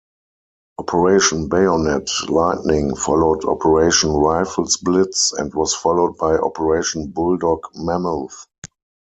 Operation Bayonet Lightning followed Operation Rifles Blitz and was followed by Operation Bulldog Mammoth.